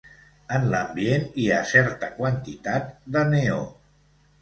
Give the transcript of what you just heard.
En l'ambient hi ha certa quantitat de neó.